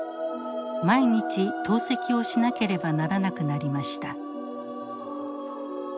毎日透析をしなければならなくなりました。